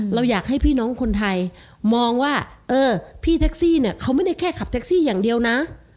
เราอยากให้พี่น้องคนไทยมองว่าเออพี่แท็กซี่เนี่ยเขาไม่ได้แค่ขับแท็กซี่อย่างเดียวนะ